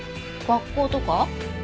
学校とか？